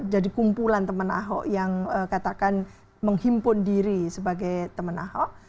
jadi kumpulan teman ahok yang katakan menghimpun diri sebagai teman ahok